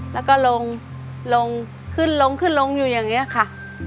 แล้วก็ลงลงขึ้นลงขึ้นลงอยู่อย่างนี้ค่ะ